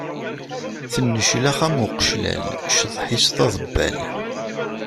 Tenneclax am uqeclal, cceḍḥ-is d aḍebbal.